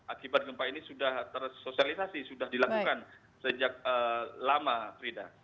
akibat gempa ini sudah tersosialisasi sudah dilakukan sejak lama frida